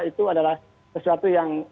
itu adalah sesuatu yang